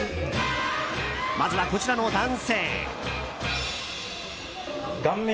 まずは、こちらの男性。